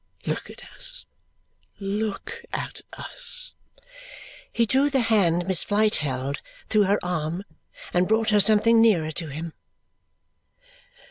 Look at us look at us!" He drew the hand Miss Flite held through her arm and brought her something nearer to him.